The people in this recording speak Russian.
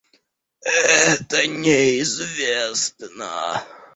Это неизвестно